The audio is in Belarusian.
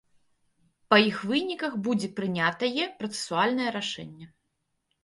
Па іх выніках будзе прынятае працэсуальнае рашэнне.